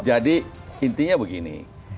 jadi intinya begini